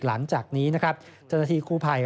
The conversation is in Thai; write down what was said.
หลังจากนี้นะครับจนาทีครูภัย